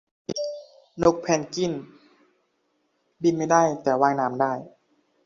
นกเพนกวินบินไม่ได้ แต่ว่ายน้ำได้